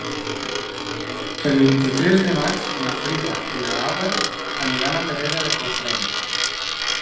El vint-i-tres de maig na Frida i na Laura aniran a Teresa de Cofrents.